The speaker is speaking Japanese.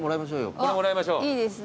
これもらいましょう。